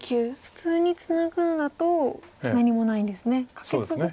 普通にツナぐのだと何もないんですね。